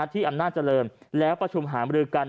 ที่อำนาจเจริญแล้วประชุมหามรือกัน